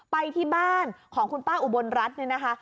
ไปที่บ้านของคุณป้าอุบลรัฐเนี่ยนะคะ